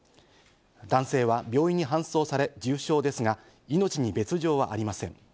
男性は病院に搬送され重傷ですが、命に別条はありません。